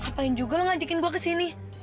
ngapain juga lo ngajakin gue kesini